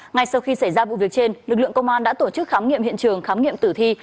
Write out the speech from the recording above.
ngay sau khi xảy ra vụ việc trên lực lượng công an đã tổ chức khám nghiệm hiện trường khám nghiệm tử thi